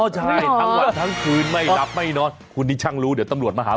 ใช่ทั้งวันทั้งคืนไม่หลับไม่นอนคุณนี่ช่างรู้เดี๋ยวตำรวจมาหา